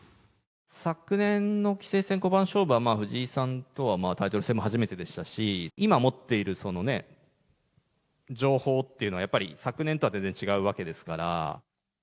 昨年の棋聖戦五番勝負は、藤井さんとはタイトル戦も初めてでしたし、今持っている情報っていうのは、やっぱり昨年とは全然違うわけですから。